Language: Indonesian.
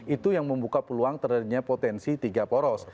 itu yang membuka peluang terjadinya potensi tiga poros